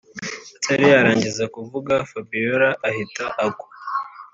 atariyarangiza kuvuga fabiora ahita agwa